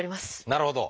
なるほど！